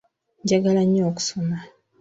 Njagala nyo okusoma.